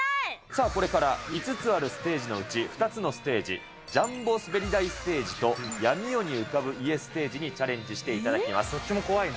さあ、これから５つあるステージのうち、２つのステージ、ジャンボ滑り台ステージと闇夜に浮かぶ家ステージにチャレンジしどっちも怖い。